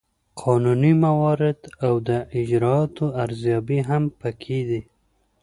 قانوني موارد او د اجرااتو ارزیابي هم پکې دي.